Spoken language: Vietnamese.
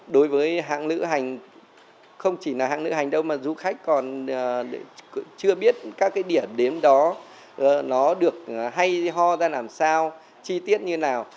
đối với hãng lựa hành không chỉ là hãng lựa hành đâu mà du khách còn chưa biết các cái điểm đến đó nó được hay ho ra làm sao chi tiết như nào